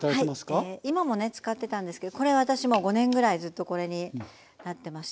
はい今もね使ってたんですけどこれ私もう５年ぐらいずっとこれになってまして。